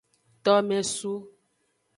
Tomesu.